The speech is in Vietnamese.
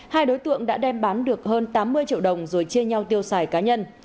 hai đối tượng đã đem bán được hơn tám mươi triệu đồng rồi chia nhau tiêu xài cá nhân